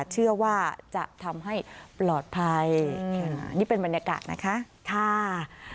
เชื่อว่าจะทำให้ปลอดภัยนี่เป็นบรรยากาศนะคะ